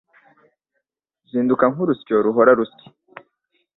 zihinduka nk’urusyo ruhora rusya,